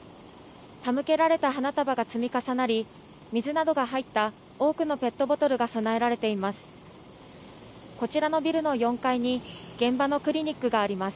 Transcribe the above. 手向けられた花束が積み重なり、水などが入った多くのペットボトルが供えられています。